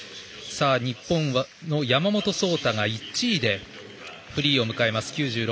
日本の山本草太が１位でフリーを迎えます。